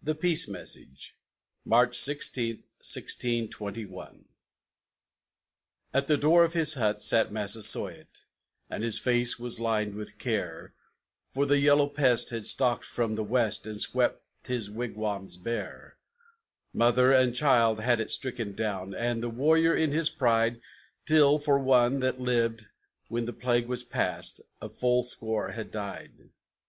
THE PEACE MESSAGE [March 16, 1621] At the door of his hut sat Massasoit, And his face was lined with care, For the Yellow Pest had stalked from the West And swept his wigwams bare; Mother and child had it stricken down, And the warrior in his pride, Till for one that lived when the plague was past, A full half score had died.